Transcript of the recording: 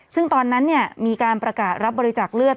ซึ่งตอนนั้นเนี่ยมีการประกาศรับบริจักษ์เลือด